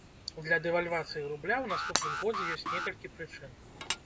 Для дэвальвацыі рубля ў наступным годзе ёсць некалькі прычын.